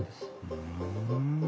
ふん。